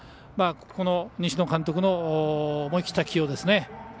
この西野監督の思い切った起用ですね。